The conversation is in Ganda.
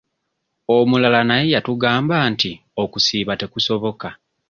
Omulala naye yatugamba nti okusiiba tekusoboka.